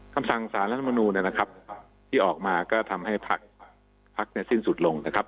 คำสั่งสารรัฐมนูลนะครับที่ออกมาก็ทำให้พักเนี่ยสิ้นสุดลงนะครับ